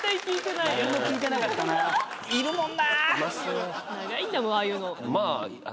長いんだもんああいうの。